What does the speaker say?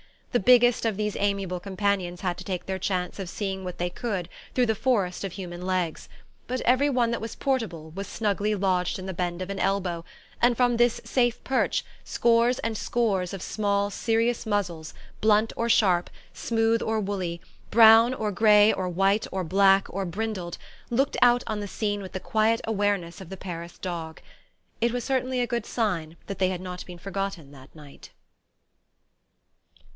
The biggest of these amiable companions had to take their chance of seeing what they could through the forest of human legs; but every one that was portable was snugly lodged in the bend of an elbow, and from this safe perch scores and scores of small serious muzzles, blunt or sharp, smooth or woolly, brown or grey or white or black or brindled, looked out on the scene with the quiet awareness of the Paris dog. It was certainly a good sign that they had not been forgotten that night.